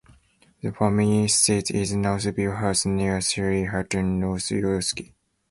The family seat is North View House, near Sheriff Hutton, North Yorkshire.